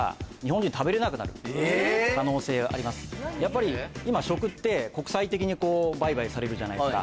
やっぱり今食って国際的に売買されるじゃないですか。